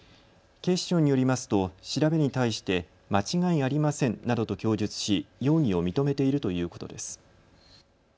警視庁によりますと調べに対して間違いありませんなどと供述し容疑を認めているということです。